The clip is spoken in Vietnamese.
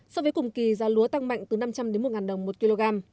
so với cùng kỳ giá lúa tăng mạnh từ năm trăm linh một đồng một kg